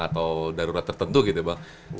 atau darurat tertentu gitu bang